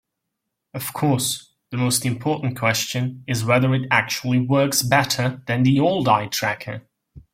Of course, the most important question is whether it actually works better than the old eye tracker.